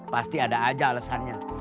pasti ada aja alesannya